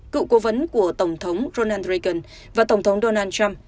cựu cố vấn của tổng thống ronald reagan và tổng thống donald trump